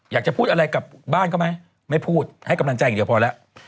อยากจะพูดอะไรกับบ้านเขาไหมไม่พูดให้กำลังใจอย่างเดียวพอแล้ว